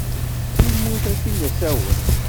Si lmut akin d asawen.